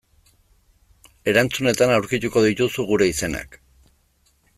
Erantzunetan aurkituko dituzu gure izenak.